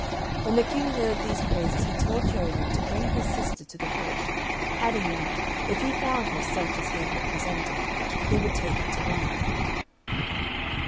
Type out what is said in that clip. When the King heard these praises he told Ciommo to bring his sister to the court; adding that, if he found her such as he had represented, he would take her to wife.